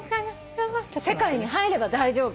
世界に入れば大丈夫。